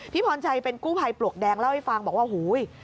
พรชัยเป็นกู้ภัยปลวกแดงเล่าให้ฟังบอกว่าหูย